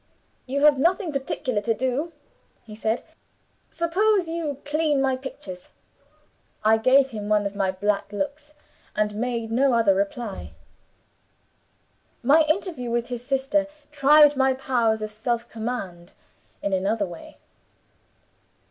'You have nothing particular to do,' he said, 'suppose you clean my pictures?' I gave him one of my black looks, and made no other reply. My interview with his sister tried my powers of self command in another way.